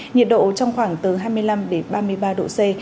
nhiệt độ trong khoảng từ hai mươi năm đến ba mươi ba độ c